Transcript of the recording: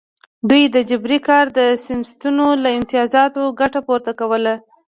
دوی د جبري کار د سیستمونو له امتیازاتو ګټه پورته کوله.